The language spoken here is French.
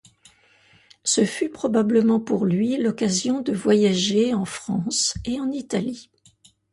Ce fut probablement pour lui l'occasion de voyager en France et en Italie.